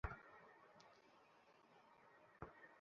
এতো বোকামি করো না!